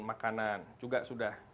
makanan juga sudah